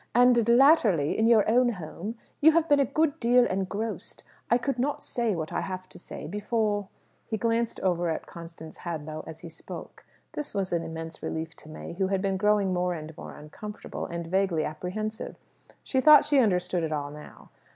And latterly, in your own home, you have been a good deal engrossed. I could not say what I have to say before " He glanced over at Constance Hadlow as he spoke. This was an immense relief to May who had been growing more and more uncomfortable, and vaguely apprehensive. She thought she understood it all now.